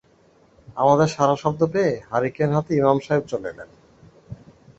আমাদের সাড়াশব্দ পেয়ে হারিকেন হাতে ইমাম সাহেব চলে এলেন।